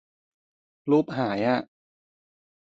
รูปหายอ่ะ